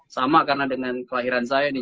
sama karena dengan kelahiran saya nih